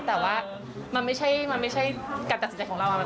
แต่ว่ามันไม่ใช่การตัดสินใจของเรา